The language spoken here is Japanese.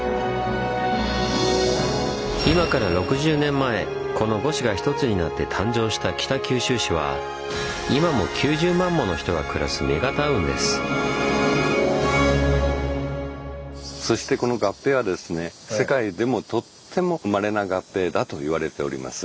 今から６０年前この五市が一つになって誕生した北九州市は今も９０万もの人が暮らすメガタウンです。といわれております。